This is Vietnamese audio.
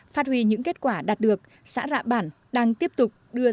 phát huy những kết quả đạt được xã rạ bản đang tiếp tục đưa ra những tiêu chí